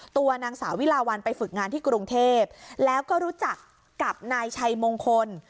ตัวนางสาววิลาวันไปฝึกงานที่กรุงเทพแล้วก็รู้จักกับนายชัยมงคล